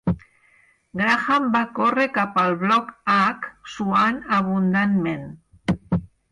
Graham va córrer cap al bloc H, suant abundantment.